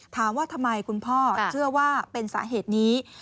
ถามว่าทำไมคุณพ่อเชื่อว่าเป็นสาเหตุนี้